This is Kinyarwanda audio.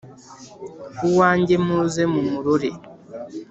Uwanjye muze mumurore